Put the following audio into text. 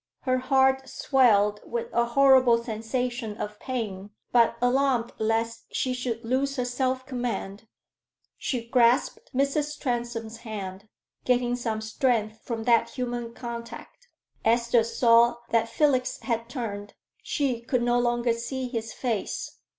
Her heart swelled with a horrible sensation of pain; but, alarmed lest she should lose her self command, she grasped Mrs. Transome's hand, getting some strength from that human contact. Esther saw that Felix had turned. She could no longer see his face.